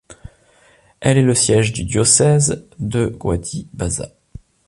Elle est le siège du diocèse de Guadix-Baza.